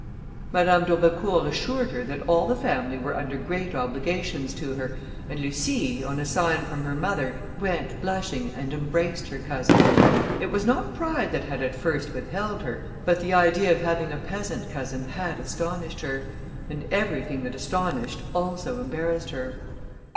Madame d'Aubecourt assured her that all the family were under great obligations to her, and Lucie, on a sign from her mother, went, blushing, and embraced her cousin. It was not pride that had at first withheld her, but the idea of having a peasant cousin had astonished her; and everything that astonished, also embarrassed her.